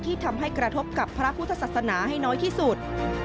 ทำให้กระทบกับพระพุทธศาสนาให้น้อยที่สุด